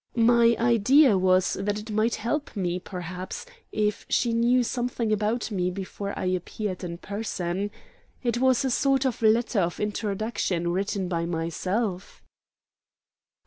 My idea was that it might help me, perhaps, if she knew something about me before I appeared in person. It was a sort of letter of introduction written by myself."